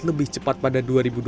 lebih cepat pada dua ribu dua puluh